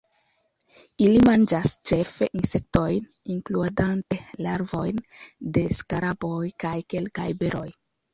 Ili manĝas ĉefe insektojn, inkludante larvojn de skaraboj, kaj kelkaj beroj.